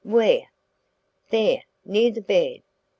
"Where?" "There, near the bed.